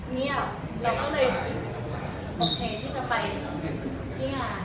เงียบเราก็เลยโอเคที่จะไปเที่ยวงาน